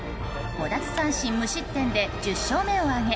５奪三振無失点で１０勝目を挙げ